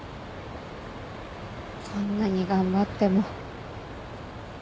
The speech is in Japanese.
こんなに頑張っても。